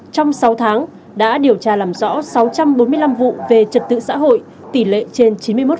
trong sáu tháng đã điều tra làm rõ sáu trăm bốn mươi năm vụ về trật tự xã hội tỷ lệ trên chín mươi một